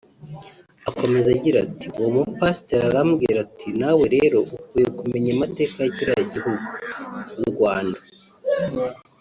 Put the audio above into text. Akomeza agira ati “ Uwo mupasiteri arambwira ati nawe rero ukwiye kumenya amateka ya kiriya gihugu (u Rwanda)